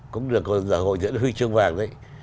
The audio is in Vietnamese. cũng được gọi là hội thiện huy chương vàng đấy